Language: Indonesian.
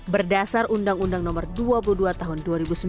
berdasar undang undang nomor dua puluh dua tahun dua ribu sembilan